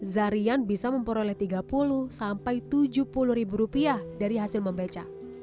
zarian bisa memperoleh tiga puluh sampai tujuh puluh ribu rupiah dari hasil membaca